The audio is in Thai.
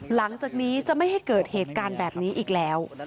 หลังจากนี้จะไม่ให้เกิดเหตุการณ์แบบนี้อีกแล้ว